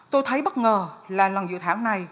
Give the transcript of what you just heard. tôi thấy bất ngờ là lần dự thảo này